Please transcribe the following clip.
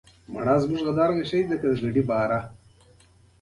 دغه یم، دلته یم بریدمنه، په همدې ګڼه ګوڼه کې.